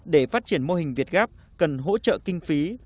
để phát triển mô hình việt gáp cần hỗ trợ kinh phí